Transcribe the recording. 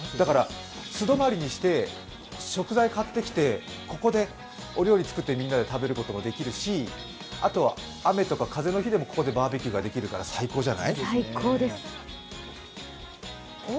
素泊まりにして、食材買ってきて、ここでお料理作ってみんなで食べることもできるしあとは雨とか風の日でもここでバーベキューができるから最高じゃない？